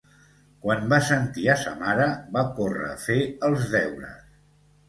Quan va sentir a sa mare, va córrer a fer els deures